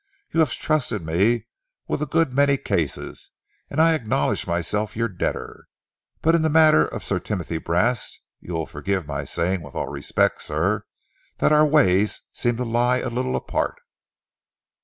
You have trusted me with a good many cases, and I acknowledge myself your debtor, but in the matter of Sir Timothy Brast, you will forgive my saying with all respect, sir, that our ways seem to lie a little apart."